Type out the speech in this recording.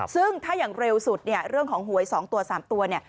ซึ่งถ้าอย่างเร็วสุดเรื่องของหวย๒ตัว๓ตัว